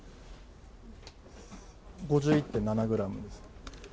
５１．７ｇですね。